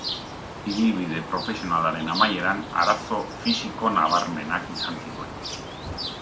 Ibilbide profesionalaren amaieran, arazo fisiko nabarmenak izan zituen.